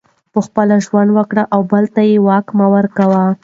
پخپله ژوند وکړه او بل ته یې واک مه ورکوه